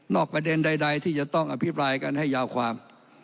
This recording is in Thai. ประเด็นใดที่จะต้องอภิปรายกันให้ยาวความ